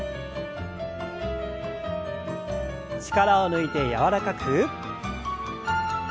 力を抜いて柔らかく。